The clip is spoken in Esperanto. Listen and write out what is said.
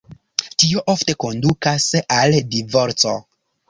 Tio ofte kondukas al divorco.